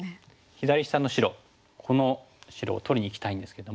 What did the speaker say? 左下の白この白を取りにいきたいんですけども。